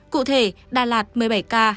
cụ thể đà lạt một mươi bảy ca